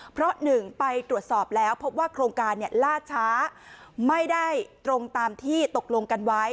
เพราะหนึ่งไปตรวจสอบแล้วพบว่าโครงการล่าช้าไม่ได้ตรงตามที่ตกลงกันไว้